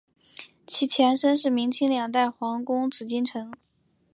其前身是明清两代皇宫紫禁城。